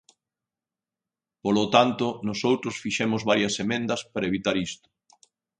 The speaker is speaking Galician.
Polo tanto, nosoutros fixemos varias emendas para evitar isto.